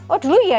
oh dulu ya